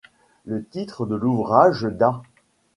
Le titre et l'ouvrage d'A.